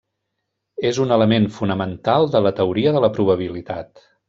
És un element fonamental de la teoria de la probabilitat.